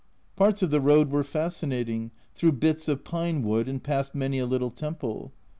Parts of the road were fascinating, through bits of pine wood and past many a little temple.